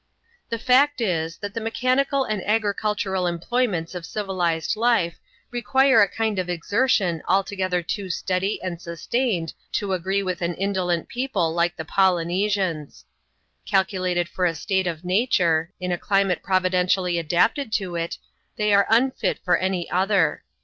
The fact is, that the mechanical and agricultural employ ments of civilized life require a kind of exertion altogether too steady and sustained to agree with an indolent people like the Polynesians. Calculated for a state of nature, in a climate providentially adapted to it, they are unfit for any other.